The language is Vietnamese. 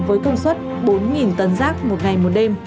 với công suất bốn tấn rác một ngày một đêm